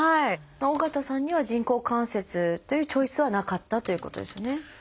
緒方さんには人工関節というチョイスはなかったということですよね。